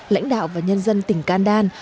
lãnh đạo và nhân dân tỉnh kandan